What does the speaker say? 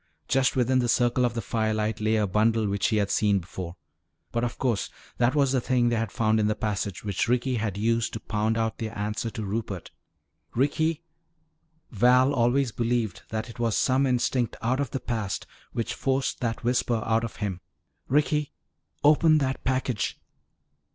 Just within the circle of the firelight lay a bundle which he had seen before. But of course, that was the thing they had found in the passage, which Ricky had used to pound out their answer to Rupert. "Ricky " Val always believed that it was some instinct out of the past which forced that whisper out of him "Ricky, open that package."